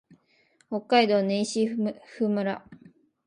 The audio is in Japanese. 北海道音威子府村